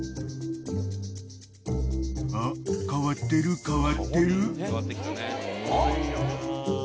［あっ変わってる変わってる］